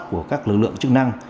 của các lực lượng chức năng